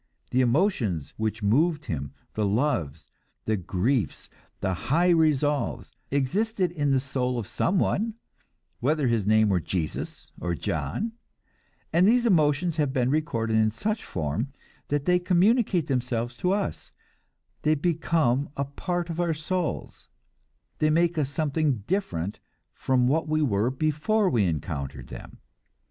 The emotions which moved him, the loves, the griefs, the high resolves, existed in the soul of someone, whether his name were Jesus or John; and these emotions have been recorded in such form that they communicate themselves to us, they become a part of our souls, they make us something different from what we were before we encountered them.